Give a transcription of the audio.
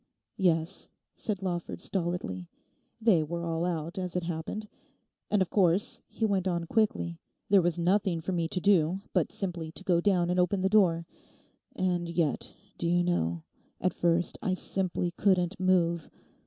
'Yes,' said Lawford, stolidly, 'they were all out as it happened. And, of course,' he went on quickly, 'there was nothing for me to do but simply to go down and open the door. And yet, do you know, at first I simply couldn't move.